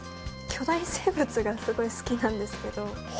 巨大生物がすごい好きなんですけど。